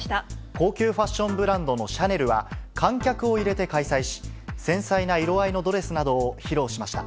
高級ファッションブランドのシャネルは、観客を入れて開催し、繊細な色合いのドレスなどを披露しました。